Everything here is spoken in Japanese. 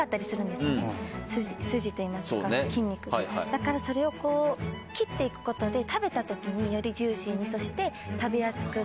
だからそれを切っていくことで食べたときによりジューシーにそして食べやすくかみやすく。